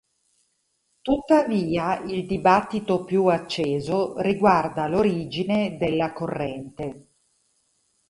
Tuttavia il dibattito più acceso riguarda l'origine della Corrente.